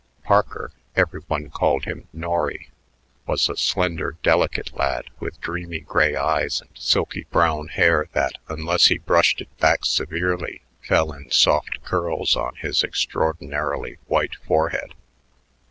Parker every one called him Norry was a slender, delicate lad with dreamy gray eyes and silky brown hair that, unless he brushed it back severely, fell in soft curls on his extraordinarily white forehead.